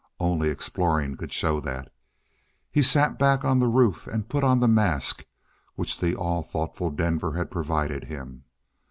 Only exploring could show that. He sat back on the roof and put on the mask with which the all thoughtful Denver had provided him.